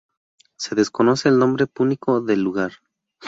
Se desconoce el nombre púnico del lugar.